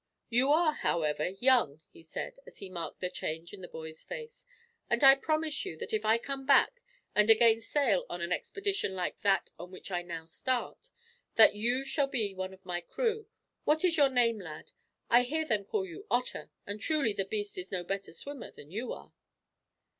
"You are, however, young," he said, as he marked the change in the boy's face; "and I promise you that if I come back, and again sail on an expedition like that on which I now start, that you shall be one of my crew. What is your name, lad? I hear them call you Otter, and truly the beast is no better swimmer than you are."